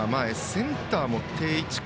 センターは定位置か